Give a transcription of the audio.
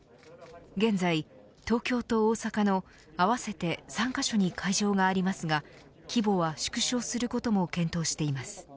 現在、東京と大阪の合わせて３カ所に会場がありますが規模は縮小することも検討しています。